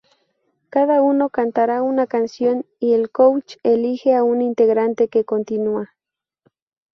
Cada uno cantará una canción y el Coach elige a un integrante que continua.